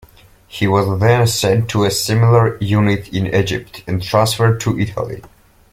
He was then sent to a similar unit in Egypt and transferred to Italy.